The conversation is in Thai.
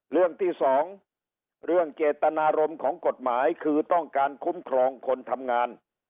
เรื่องที่สองเรื่องเจตนารมณ์ของกฎหมายคือต้องการคุ้มครองคนทำงาน